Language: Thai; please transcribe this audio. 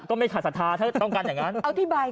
ก็ไม่ขาดสถาถ้าต้องการอย่างนั้น